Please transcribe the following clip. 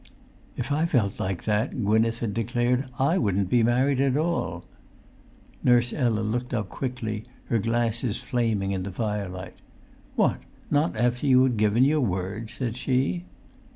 "If I felt like that," Gwynneth had declared, "I wouldn't be married at all." Nurse Ella looked up quickly, her glasses flaming in the firelight. "What, not after you had given your word?" said she.